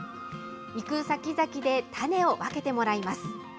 行く先々で種を分けてもらいます。